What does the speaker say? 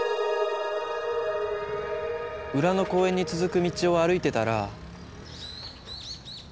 裏の公園に続く道を歩いてたら。